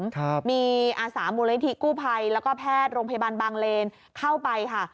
ครับมีอาสามูลนิธิกู้ภัยแล้วก็แพทย์โรงพยาบาลบางเลนเข้าไปค่ะ